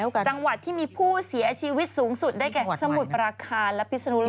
จังหวัดที่มีผู้เสียชีวิตสูงสุดได้แก่สมุทรปราการและพิศนุโลก